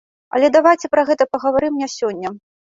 Але давайце пра гэта пагаворым не сёння.